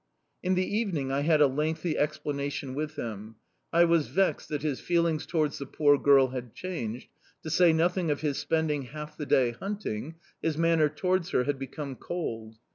"In the evening I had a lengthy explanation with him. I was vexed that his feelings towards the poor girl had changed; to say nothing of his spending half the day hunting, his manner towards her had become cold.